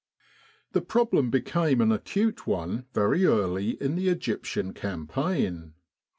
This problem became an acute one very early in the Egyptian Campaign.